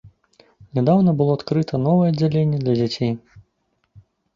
Нядаўна было адкрыта новае аддзяленне для дзяцей.